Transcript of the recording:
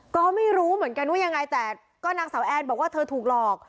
ก็ไม่รู้เหมือนกันว่ายังไงแต่ก็นางสาวแอนบอกว่าเธอถูกหลอก